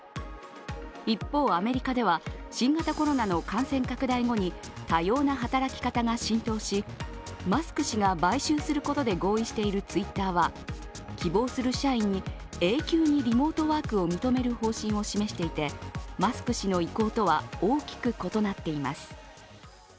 一方アメリカでは新型コロナの感染拡大後に多様な働き方が浸透しマスク氏が買収することで合意しているツイッターは希望する社員に永久にリモートワークを認める方針を示していて、マスク氏の意向とは大きく異なっています。